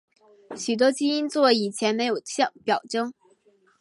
许多基因座以前没有表征。